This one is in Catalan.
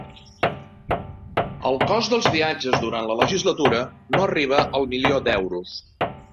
El cost dels viatges durant la legislatura no arriba al milió d'euros